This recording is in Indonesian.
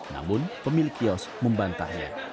namun pemilik kios membantahnya